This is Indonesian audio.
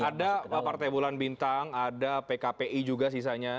ada partai bulan bintang ada pkpi juga sisanya